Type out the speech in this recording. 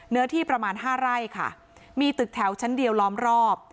เนื้อที่ประมาณห้าไร่ค่ะมีตึกแถวชั้นเดียวล้อมรอบ